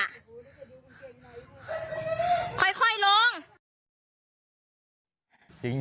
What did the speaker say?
ค่อยล้วง